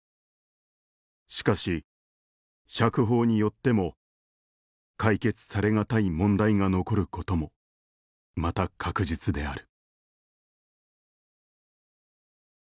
しかし釈放によっても解決され難い問題が残ることも又確実である」